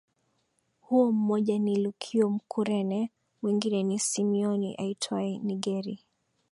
huo Mmoja ni Lukio Mkurene Mwingine ni Simeoni aitwaye Nigeri